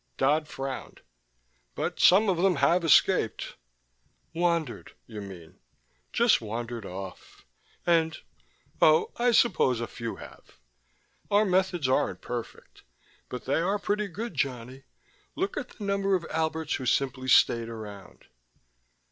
Dodd frowned. "But some of them have escaped." "Wandered, you mean. Just wandered off. And oh, I suppose a few have. Our methods aren't perfect. But they are pretty good, Johnny: look at the number of Alberts who simply stayed around."